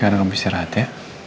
sekarang kamu istirahat ya